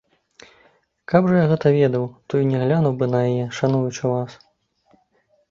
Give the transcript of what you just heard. Каб жа я гэта ведаў, то і не глянуў бы на яе, шануючы вас.